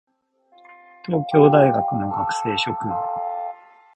東京大学の学生諸君